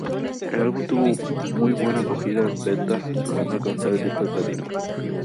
El álbum tuvo muy buena acogida en ventas, logrando alcanzar el disco de platino.